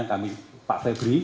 kami pak febri